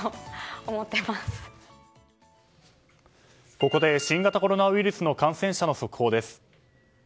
ここで新型コロナウイルスの感染者の速報です。